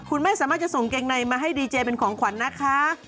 คุณแม่สามารถจะส่งเกงในมาให้ดีเจเป็นของขวัญนะคะ